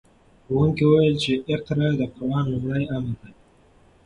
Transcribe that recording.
ښوونکي وویل چې اقرأ د قرآن لومړی امر دی.